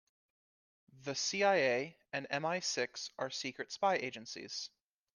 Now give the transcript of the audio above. The CIA and MI-Six are secret spy agencies.